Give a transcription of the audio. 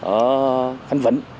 ở khánh vĩnh